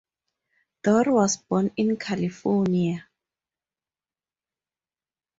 Dorr was born in California.